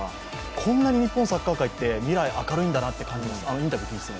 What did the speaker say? こんなに日本サッカー界って未来が明るいんだなって思いました。